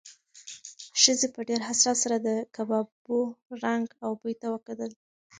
ښځې په ډېر حسرت سره د کبابو رنګ او بوی ته کتل.